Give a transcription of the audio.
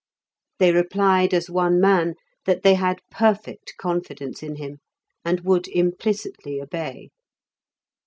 They replied as one man that they had perfect confidence in him, and would implicitly obey.